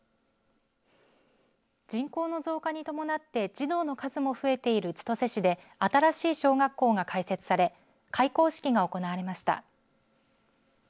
人口の増加に伴って児童の数も増えている千歳市で新しい小学校が開設され開校式が行われました。